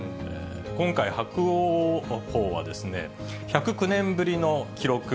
今回、伯桜鵬はですね、１０９年ぶりの記録。